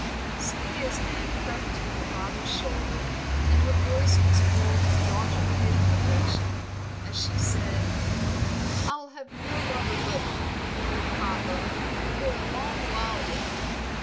Sylvia's hand crept to her father's shoulder, and her voice was full of daughterly affection, as she said "I'll have no lover but 'the old Papa' for a long while yet.